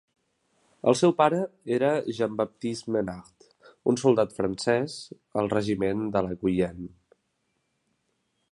El seu pare era Jean Baptiste Menard, un soldat francès al regiment de Guyenne.